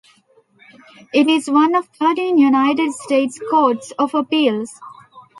It is one of thirteen United States courts of appeals.